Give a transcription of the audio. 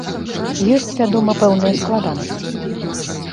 Ёсць вядома пэўныя складанасці.